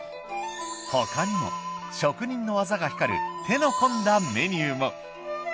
他にも職人の技が光る手の込んだメニューも。